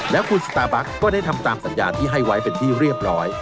แล้วคุณสตาร์บัคก็ได้ทำตามสัญญาที่ให้ไว้เป็นที่เรียบร้อย